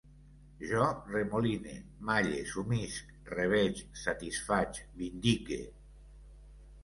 Jo remoline, malle, sumisc, reveig, satisfaig, vindique